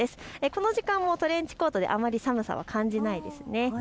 この時間もトレンチコートであまり寒さは感じないですね。